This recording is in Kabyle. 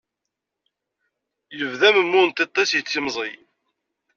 Yebda memmu n tiṭ-is yettimẓi.